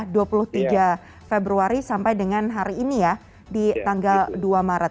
dua puluh tiga februari sampai dengan hari ini ya di tanggal dua maret